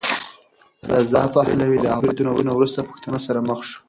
رضا پهلوي د هوايي بریدونو وروسته پوښتنو سره مخ شو.